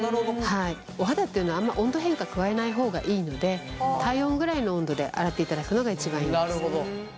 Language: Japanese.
お肌っていうのはあんま温度変化加えない方がいいので体温ぐらいの温度で洗っていただくのが一番いいんです。